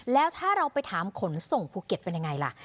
แล้วถ้าเราไปถามขนส่งภูเก็ตเป็นยังไงล่ะ